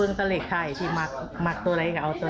ลุงมาล้านมันลดไปแสนทางน้ำธนาคาร